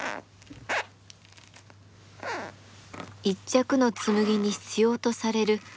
一着の紬に必要とされる